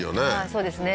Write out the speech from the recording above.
そうですね